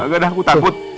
gak ada aku takut